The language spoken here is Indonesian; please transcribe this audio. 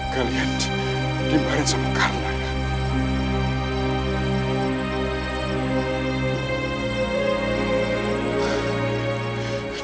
kalian dimaharin sama kalai